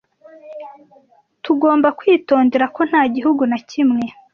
Tugomba kwitondera ko nta gihugu na kimwe